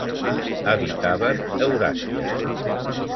Habitaven Euràsia.